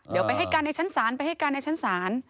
เดี๋ยวไปให้กันในชั้นศาล